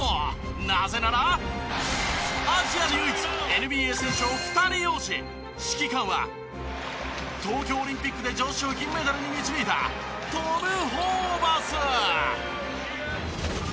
なぜならアジアで唯一ＮＢＡ選手を２人擁し指揮官は東京オリンピックで女子を銀メダルに導いたトム・ホーバス！